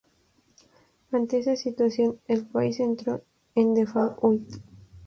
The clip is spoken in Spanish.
Ante esa situación, el país entró en default.